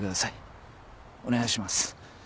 お願いします。